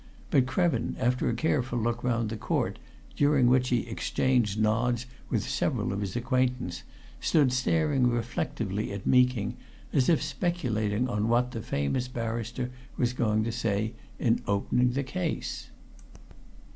But Krevin, after a careful look round the court, during which he exchanged nods with several of his acquaintance, stood staring reflectively at Meeking, as if speculating on what the famous barrister was going to say in opening the case.